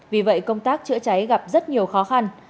vì vậy công tác chữa cháy gặp rất nhiều khó khăn